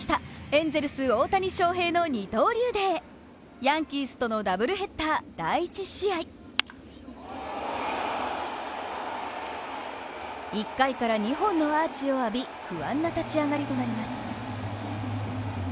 エンゼルス大谷翔平の二刀流デーヤンキースとのダブルヘッダー第１試合１回から２本のアーチを浴び、不安な立ち上がりとなります。